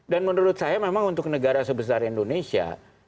dan menurut saya memang untuk negara sebesar indonesia